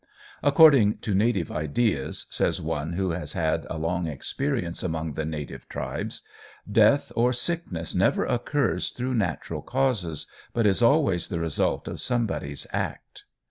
"According to native ideas," says one who has had a long experience among the native tribes, "death or sickness never occurs through natural causes, but is always the result of somebody's act.